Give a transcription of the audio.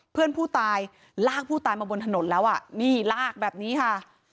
เพื่อนผู้ตายลากผู้ตายมาบนถนนแล้วอ่ะนี่ลากแบบนี้ค่ะ